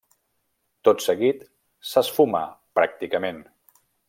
Tot seguit s'esfumà pràcticament.